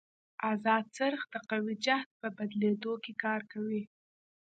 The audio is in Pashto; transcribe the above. ازاد څرخ د قوې جهت په بدلېدو کې کار کوي.